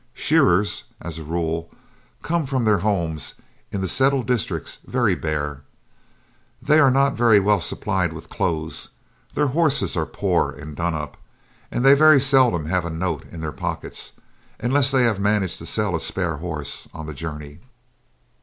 Shearers, as a rule, come from their homes in the settled districts very bare. They are not very well supplied with clothes; their horses are poor and done up; and they very seldom have a note in their pockets, unless they have managed to sell a spare horse on the journey.